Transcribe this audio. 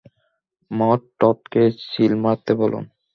মদ-টদ খেয়ে চিল মারতে বলুন।